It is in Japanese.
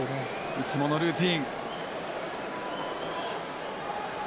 いつものルーチン。